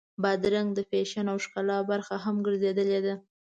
بادرنګ د فیشن او ښکلا برخه هم ګرځېدلې ده.